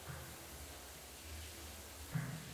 Zino, fahsh ishlar, erlik kushandasi ekani kunday ravshan.